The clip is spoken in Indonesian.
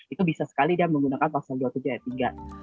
itu bisa sekali dia menggunakan pasal dua puluh tujuh ayat tiga